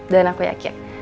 dan aku yakin